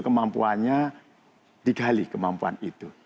kemampuannya digali kemampuan itu